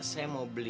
saya mau beli